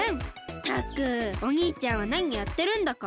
ったくおにいちゃんはなにやってるんだか。